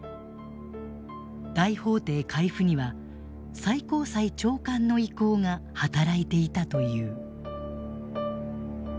大法廷回付には最高裁長官の意向が働いていたという。